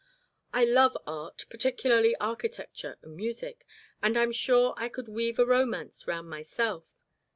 I love art, particularly architecture and music, and I'm sure I could weave a romance round myself.